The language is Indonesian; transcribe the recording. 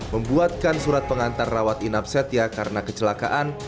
membuatkan surat pengantar rawat inap setia karena kecelakaan